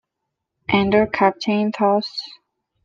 Under Captain Thos.